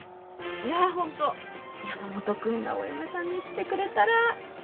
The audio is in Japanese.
いやホント山本君がお嫁さんに来てくれたらいいのに